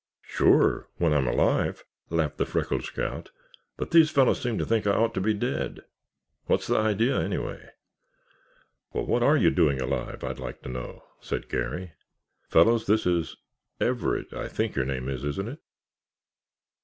"Sure, when I'm alive," laughed the freckled scout. "But these fellows seem to think I ought to be dead. What's the idea, anyway?" "Well, what are you doing alive, I'd like to know," said Garry. "Fellows, this is—Everett, I think your name is, isn't it?"